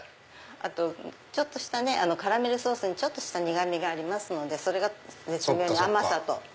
あとカラメルソースにちょっと苦みがありますのでそれが絶妙に甘さと。